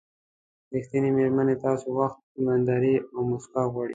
ریښتینې مېرمنې ستاسو وخت، ایمانداري او موسکا غواړي.